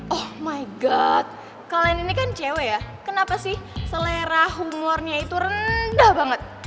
oh my god kalian ini kan cewek ya kenapa sih selera humornya itu rendah banget